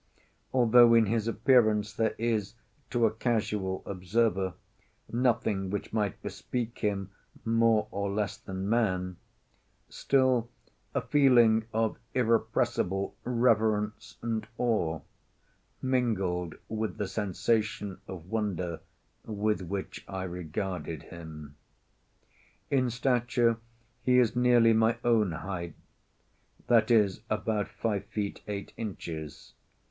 Although in his appearance there is, to a casual observer, nothing which might bespeak him more or less than man, still, a feeling of irrepressible reverence and awe mingled with the sensation of wonder with which I regarded him. In stature he is nearly my own height; that is, about five feet eight inches.